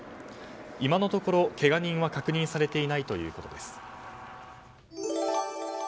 今のところ、けが人は確認されていないということです。